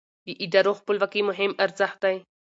د ادارو خپلواکي مهم ارزښت دی